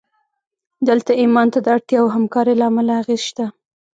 دلته ایمان ته د اړتیا او همکارۍ له امله اغېز شته